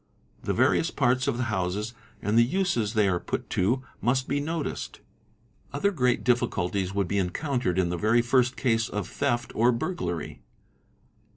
The various parts of the houses and the ises they are put to must be noticed. Otherwise great difficulties would ' encountered in the very first case of theft or burglary.